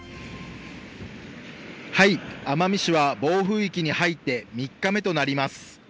奄美市は暴風域に入って３日目となります。